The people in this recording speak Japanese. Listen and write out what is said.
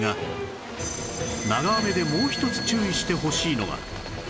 長雨でもう一つ注意してほしいのが